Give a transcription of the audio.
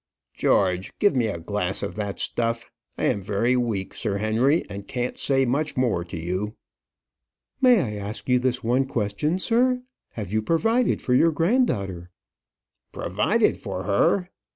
George, give me a glass of that stuff. I am very weak, Sir Henry, and can't say much more to you." "May I ask you this one question, sir? Have you provided for your granddaughter?" "Provided for her!"